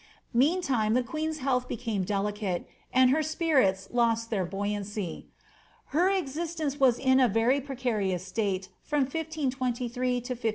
3Ieantime, the queen's hodth became delicate, and her spirits lost their baoyancy. Her existence was in a very precarious state from 1523 to 1526.